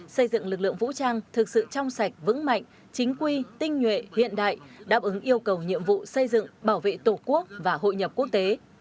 xây dựng lực lượng vũ trang thực sự trong sạch vững mạnh chính quy tinh nhuệ hiện đại đáp ứng yêu cầu nhiệm vụ xây dựng bảo vệ tổ quốc và hội nhập quốc tế